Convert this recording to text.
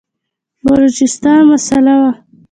د بلوچستان مسله وه.